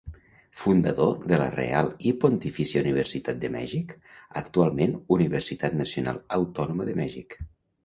Fundador de la Real i Pontifícia Universitat de Mèxic, actualment Universitat Nacional Autònoma de Mèxic.